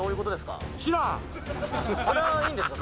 それはいいんですか？